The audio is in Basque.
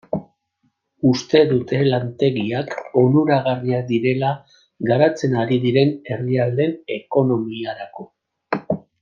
Uste dute lantegiak onuragarriak direla garatzen ari diren herrialdeen ekonomiarako.